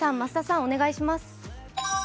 お願いします。